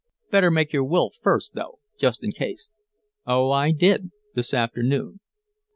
"Better make your will first, though, just in case." "Oh, I did. This afternoon."